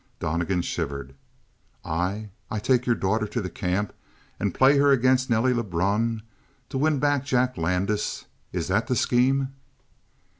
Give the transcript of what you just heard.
Donnegan shivered. "I? I take your daughter to the camp and play her against Nelly Lebrun to win back Jack Landis? Is that the scheme?"